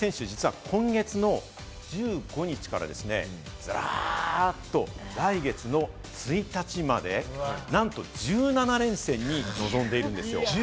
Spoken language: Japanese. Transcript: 大谷選手、実は今月の１５日からざっと来月の１日まで、なんと１７連戦に臨んでいるんですよ。